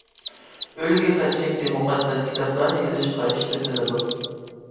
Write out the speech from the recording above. ئۈلگە خەت شەكلى مۇقەددەس كىتابلارنى يېزىشتا ئىشلىتىلىدۇ.